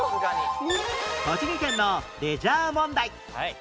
栃木県のレジャー問題